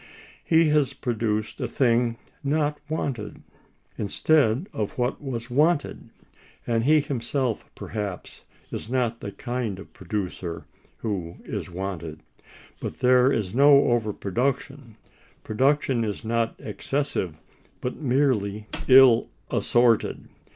He has produced a thing not wanted, instead of what was wanted, and he himself, perhaps, is not the kind of producer who is wanted—but there is no over production; production is not excessive, but merely ill assorted.